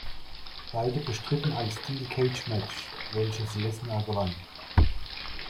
Beide bestritten ein "Steel-Cage-Match", welches Lesnar gewann.